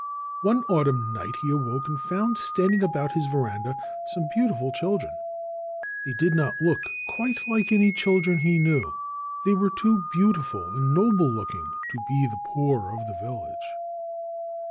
One autumn night he awoke and found standing about his veranda some beautiful children. They did not look quite like any children he knew. They were too beautiful and noble looking to belong to the poor of the village.